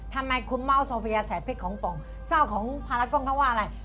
ทำไมคุณเม้าโซเฟียใส่เผ็ดของปองเจ้าของพารากงเขาว่าอะไร